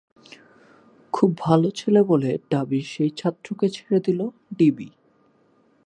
‘খুব ভালো ছেলে’ বলে ঢাবির সেই ছাত্রকে ছেড়ে দিল ডিবি